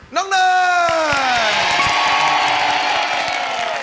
น้องเหนื่อย